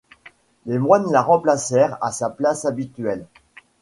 Les moines la replacèrent à sa place habituelle.